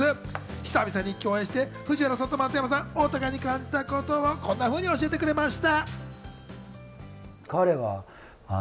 久々に共演して藤原さんと松山さん、お互いに感じたことを、こんなふうに教えてくれました。